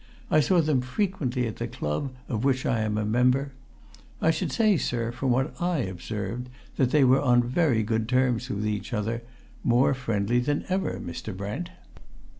I saw them frequently at the Club, of which I am a member. I should say, sir, from what I observed, that they were on very good terms with each other more friendly than ever, Mr. Brent."